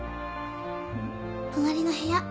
隣の部屋。